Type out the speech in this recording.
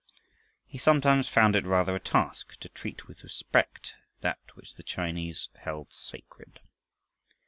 He sometimes found it rather a task to treat with respect that which the Chinese held sacred.